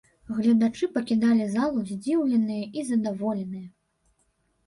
Гледачы пакідалі залу здзіўленыя і задаволеныя.